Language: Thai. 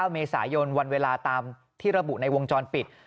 เมษายนวันเวลาตามที่ระบุในวงจรปิด